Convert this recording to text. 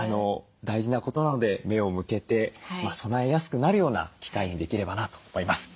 大事なことなので目を向けて備えやすくなるような機会にできればなと思います。